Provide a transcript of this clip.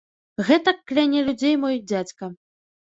Гэтак кляне людзей мой дзядзька.